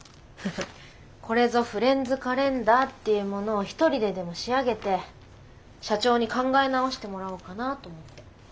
これぞフレンズカレンダーっていうものを一人ででも仕上げて社長に考え直してもらおうかなと思って。